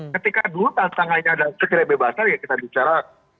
ketika dulu tantangannya adalah sekedar kebebasan ya kita bicara